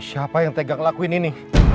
siapa yang tega ngelakuin ini